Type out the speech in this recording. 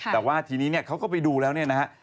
แต่ว่าทีนี้เนี่ยเขาก็ไปดูแล้วเนี่ยนะฮะ